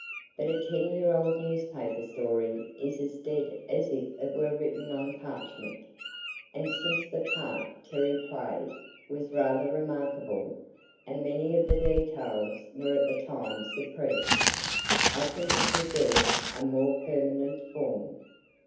But a ten year old newspaper story is as dead as if it were written on parchment, and since the part Terry played was rather remarkable, and many of the details were at the time suppressed, I think it deserves a more permanent form.